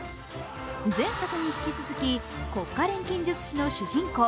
前作に引き続き国家錬金術師の主人公